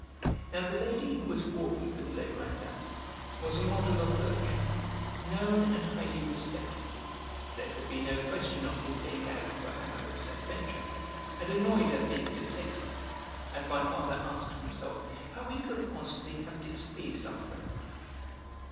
Now, the lady who was walking with Legrandin was a model of virtue, known and highly respected; there could be no question of his being out for amorous adventure, and annoyed at being detected; and my father asked himself how he could possibly have displeased our friend.